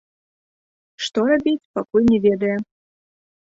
Што рабіць, пакуль не ведае.